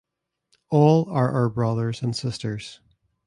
All are our brothers and sisters.